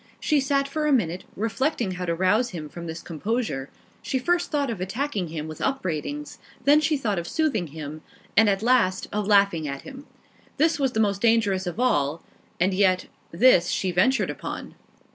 She sat for a minute, reflecting how to rouse him from this composure—she first thought of attacking him with upbraidings; then she thought of soothing him; and at last of laughing at him. This was the most dangerous of all, and yet, this she ventured upon.